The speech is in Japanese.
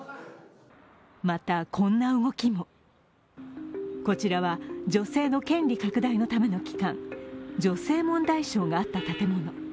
また、こんな動きもこちらは女性の権利拡大のための機関、女性問題省があった建物。